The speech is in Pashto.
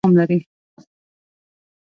دا ډول مرګونه په هېواد کې دوام لري.